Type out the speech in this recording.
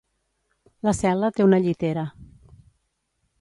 La cel·la té una llitera.